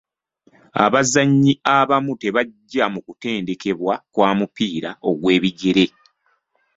Abazannyi abamu tebajja mu kutendekebwa kwa mupiira ogw'ebigere.